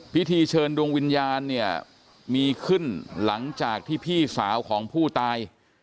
พิธีเชิญดวงวิญญาณเนี่ยมีขึ้นหลังจากที่พี่สาวของผู้ตาย